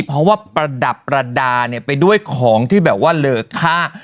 เพราะว่าประดับประดานี้ไปด้วยของที่เหลือค่า